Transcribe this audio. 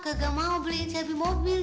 kagak mau beliin shelby mobil